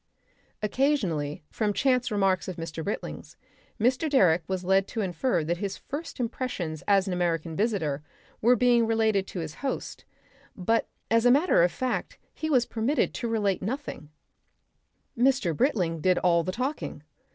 Occasionally, from chance remarks of Mr. Britling's, Mr. Direck was led to infer that his first impressions as an American visitor were being related to his host, but as a matter of fact he was permitted to relate nothing; Mr. Britling did all the talking.